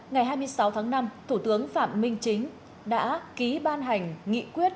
ngày hai mươi sáu tháng năm thủ tướng phạm minh chính đã ký ban hành nghị quyết